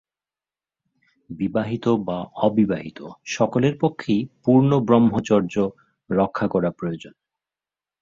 বিবাহিত বা অবিবাহিত সকলের পক্ষেই পূর্ণ ব্রহ্মচর্য রক্ষা করা প্রয়োজন।